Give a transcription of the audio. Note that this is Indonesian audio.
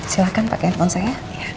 silahkan pakai handphone saya